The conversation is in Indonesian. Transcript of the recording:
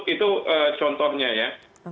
itu contohnya ya